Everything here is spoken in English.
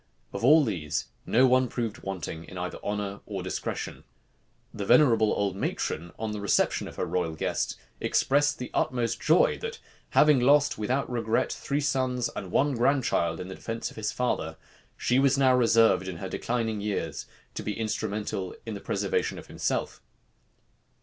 Of all these, no one proved wanting either in honor or discretion. The venerable old matron, on the reception of her royal guest, expressed the utmost joy, that having lost, without regret, three sons and one grandchild in defence of his father, she was now reserved, in her declining years, to be instrumental in the preservation of himself.